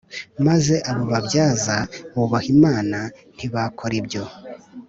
Maze abo babyaza bubaha imana ntibakora ibyo